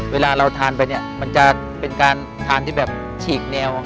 เวลาทานไปมันจะเป็นการทานที่แบบฉีกเหนียว